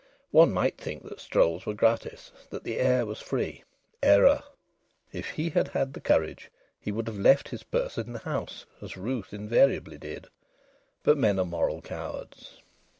One might think that strolls were gratis, that the air was free! Error! If he had had the courage he would have left his purse in the house as Ruth invariably did. But men are moral cowards.